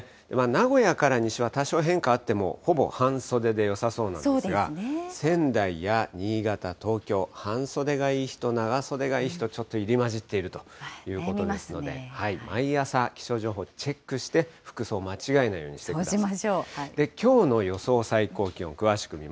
名古屋から西は多少変化はあっても、ほぼ半袖でよさそうなんですが、仙台や新潟、東京、半袖がいい人、長袖がいい日とちょっと入り交じっているということですので、毎朝、気象情報チェックして、服装間違えないようにしてください。